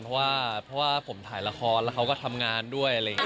เพราะว่าเพราะว่าผมถ่ายละครแล้วเขาก็ทำงานด้วยอะไรอย่างนี้